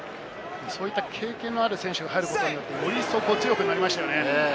経験のある選手が入ることによって、より一層強くなりましたよね。